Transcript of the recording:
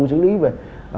sử lý về